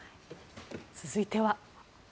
続いては。